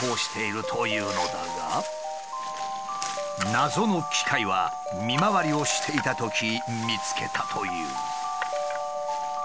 謎の機械は見回りをしていたとき見つけたという。